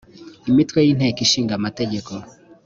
imitwe y inteko ishinga amategeko